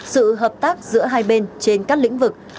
sự hợp tác giữa hai bên trên các lĩnh vực